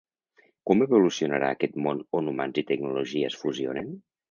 Com evolucionarà aquest món on humans i tecnologia es fusionen?